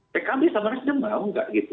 pkb sama nasdem mau nggak gitu